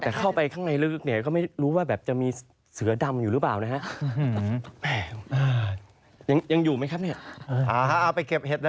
อ๋อเอาไปเก็บเห็ดเลยค่ะ